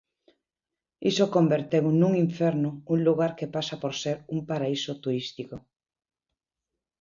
Iso converteu nun inferno un lugar que pasa por ser un paraíso turístico.